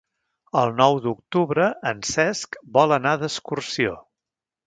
El nou d'octubre en Cesc vol anar d'excursió.